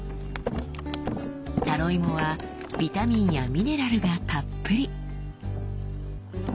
タロイモはビタミンやミネラルがたっぷり！